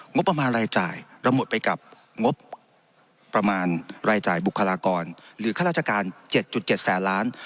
งบประมาณรายจ่ายระหมดไปกับงบประมาณรายจ่ายบุคลากรหรือข้าราชการ๗๗แสนล้าน